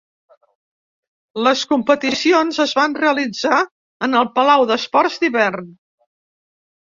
Les competicions es van realitzar en el Palau d'Esports d'Hivern.